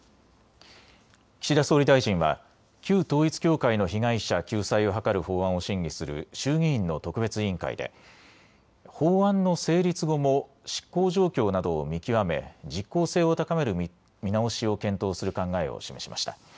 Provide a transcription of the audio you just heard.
岸田総理大臣は旧統一教会の被害者救済を図る法案を審議する衆議院の特別委員会で法案の成立後も執行状況などを見極め実効性を高める見直しを検討する考えを示しました。